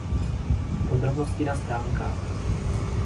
Podrobnosti na stránkách.